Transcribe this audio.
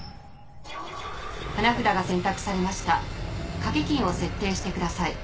花札が選択されました賭け金を設定してください。